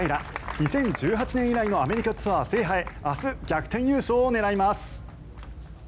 ２０１８年以来のアメリカツアー制覇へ明日逆転優勝を狙います。